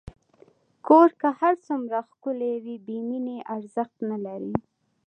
کور که هر څومره ښکلی وي، بېمینې ارزښت نه لري.